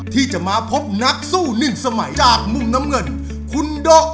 ที่จะมาพบนักสู้หนึ่งสมัยจากมุมน้ำเงินคุณโดะ